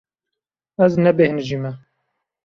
Ez nebêhnijîme.